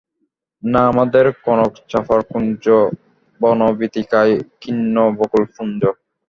নাই আমাদের কনক-চাঁপার কুঞ্জ, বনবীথিকায় কীর্ণ বকুলপুঞ্জ।